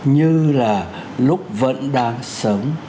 như là lúc vẫn đang sống